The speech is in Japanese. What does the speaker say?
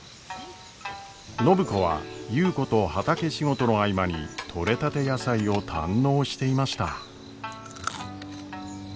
暢子は優子と畑仕事の合間に取れたて野菜を堪能していました。